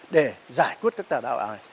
để giải quyết các tài đạo này